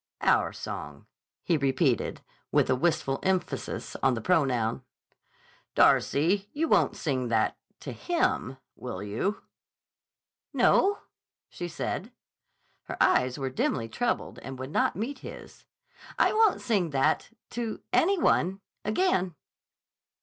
"Our song," he repeated with a wistful emphasis on the pronoun. "Darcy, you won't sing that—to him—will you?" "No," she said. Her eyes were dimly troubled and would not meet his. "I won't sing that—to any one—again."